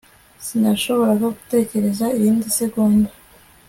Sinashoboraga gutegereza irindi segonda